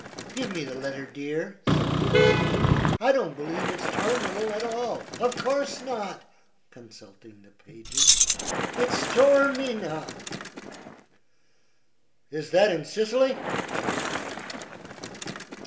"Give me the letter, dear," said Patsy. "I don't believe it's Terminal at all. Of course not," consulting the pages, "it's Taormina." "Is that in Sicily?" he asked.